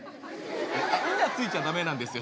「ん」がついちゃ駄目なんですよ